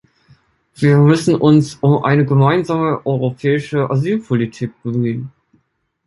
Wir müssen uns um eine gemeinsame europäische Asylpolitik bemühen.